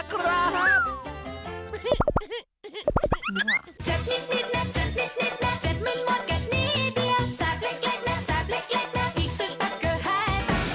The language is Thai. อีกสุดปั๊กก็หายไป